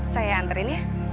saya anterin ya